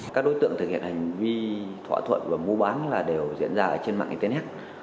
các đối tượng thực hiện hành vi thỏa thuận và mua bán đều diễn ra trên mạng internet